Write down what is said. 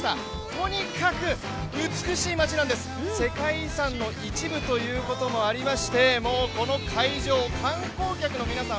とにかく美しい街なんです、世界遺産の一部ということもありまして、もうこの会場、観光客の皆さん